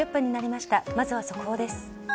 まずは速報です。